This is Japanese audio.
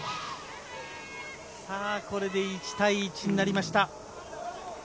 これで１対１になりました。